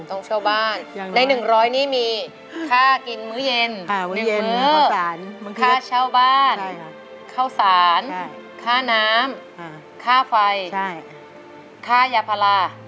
ต้องเช่าบ้านได้หนึ่งร้อยนี่มีค่ากินมื้อเย็นค่าเช่าบ้านข้าวสารค่าน้ำค่าไฟค่ายาพลา